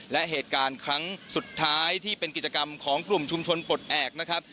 และเหตุการณ์ครั้งสุดท้ายที่เป็นกิจกรรมของกลุ่มชุมชนปลดแอบนะครับ